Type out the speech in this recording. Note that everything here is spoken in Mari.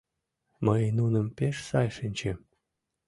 Мый нуным пеш сай шинчем.